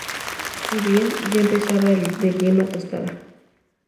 Si bien ya empezaba el de yema tostada.